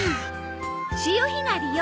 潮干狩りよ。